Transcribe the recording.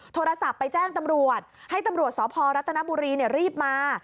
โทรศัพท์ไปแจ้งตำรวจให้ตำรวจสพรัฐนบุรีรีบมา